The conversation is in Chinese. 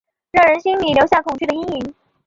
让人心里留下恐惧的阴影